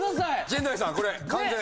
陣内さんこれ完全。